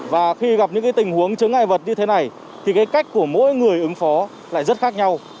và khi gặp những tình huống chứng ngại vật như thế này thì cái cách của mỗi người ứng phó lại rất khác nhau